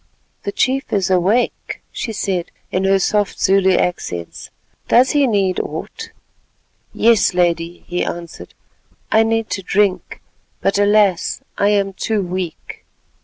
"The chief is awake," she said in her soft Zulu accents. "Does he need aught?" "Yes, Lady," he answered; "I need to drink, but alas! I am too weak."